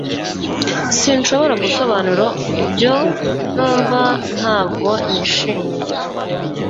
sinshobora gusobanura ibyo numva ntabwo nishimiye